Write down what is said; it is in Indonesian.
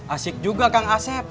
asik juga kang asep